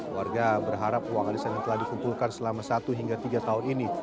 warga berharap uang arisan yang telah dikumpulkan selama satu hingga tiga tahun ini